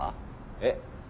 えっ？